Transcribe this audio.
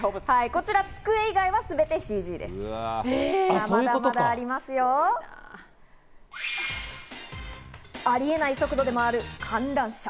こちら机以外はすべてＣＧでありえない速度で回る観覧車。